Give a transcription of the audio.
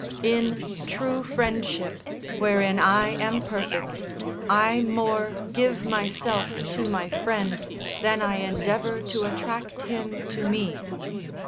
In true friendship, wherein I am perfect, I more give myself to my friend, than I endeavour to attract him to me.